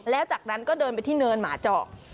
แล้วจากนั้นก็เดินไปที่เนินหมาเจาะ